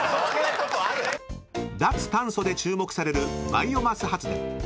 ［脱炭素で注目されるバイオマス発電］